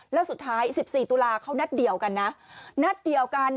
แล้วสุดท้าย๑๔ตุลาเขานัดเดียวกันนะนัดเดียวกัน